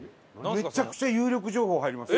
めちゃくちゃ有力情報入ります。